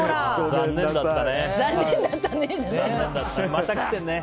残念だったね。